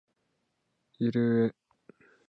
イル＝エ＝ヴィレーヌ県の県都はレンヌである